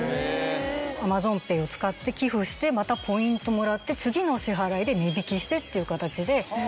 「ＡｍａｚｏｎＰａｙ」を使って寄付してまたポイントもらって次の支払いで値引きしてっていう形で。